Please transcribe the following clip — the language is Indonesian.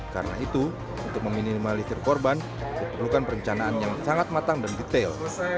karena itu untuk meminimalisir korban diperlukan perencanaan yang sangat matang dan detail